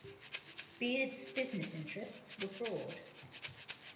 Beard's business interests were broad.